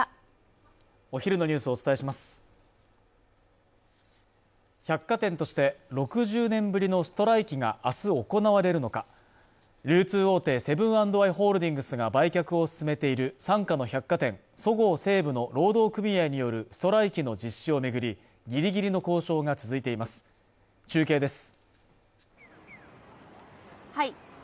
お昼のニュースをお伝えします百貨店として６０年ぶりのストライキが明日行われるのか流通大手セブン＆アイ・ホールディングスが売却を進めている傘下の百貨店そごう・西武の労働組合によるストライキの実施を巡りぎりぎりの交渉が続いています中継です